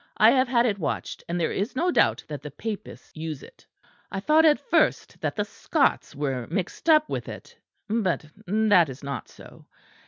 I have had it watched, and there is no doubt that the papists use it. I thought at first that the Scots were mixed up with it; but that is not so.